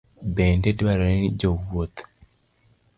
Bende dwarore ni jowuoth